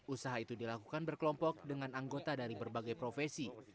usaha itu dilakukan berkelompok dengan anggota dari berbagai profesi